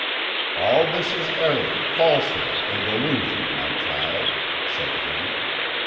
"All this is error, falsehood, and illusion, my child," said he.